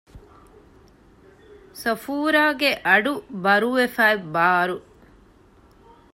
ޞަފޫރާގެ އަޑު ބަރުވެފައި ބާރު